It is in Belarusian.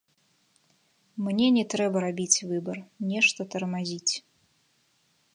Мне не трэба рабіць выбар, нешта тармазіць.